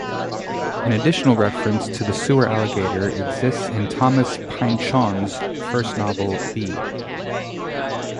An additional reference to the sewer alligator exists in Thomas Pynchon's first novel, "V.".